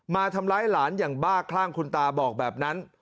มาทำร้ายหลานอย่างบ้าคลั่งคุณตาบอกแบบนั้น